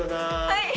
はい。